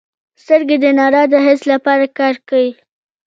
سترګې د رڼا د حس لپاره کار کوي.